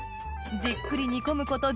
じっくり煮込むこと